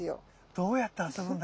どうやって遊ぶんだ？